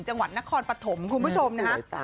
จังหวัดนครปฐมคุณผู้ชมนะฮะ